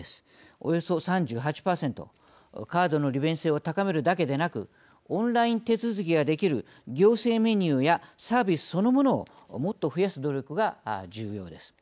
およそ３８％カードの利便性を高めるだけでなくオンライン手続きができる行政メニューやサービスそのものをもっと増やす努力が重要です。